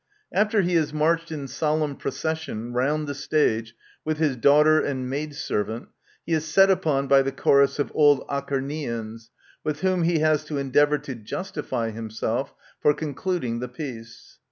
After he has marched in solemn procession round the stage with his daughter and maid servant, he is set upon by the Chorus of old Acharnians, with whom he has to endeavour to justify himself for concluding the peace.